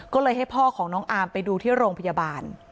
ก็เลยให้พ่อของน้องอามไปดูที่โรงพยาบาล